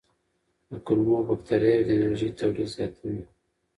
د کولمو بکتریاوې د انرژۍ تولید زیاتوي.